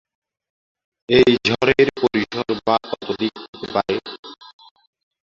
এই ঝড়ের পরিসর বা ততোধিক হতে পারে।